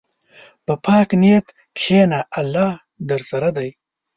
په پاک نیت کښېنه، الله درسره دی.